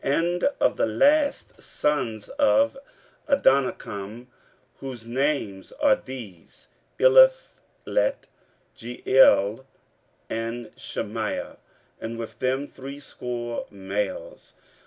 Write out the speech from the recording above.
15:008:013 And of the last sons of Adonikam, whose names are these, Eliphelet, Jeiel, and Shemaiah, and with them threescore males.